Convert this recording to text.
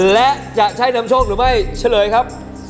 และจะมั่นใจรึว่าที่โชคหรือยังไม่เฉลยครับ